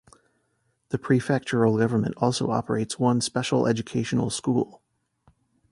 The prefectural government also operates one special educational school.